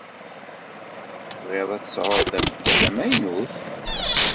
Tebɣid ad tesɛud tafekka tamaynut?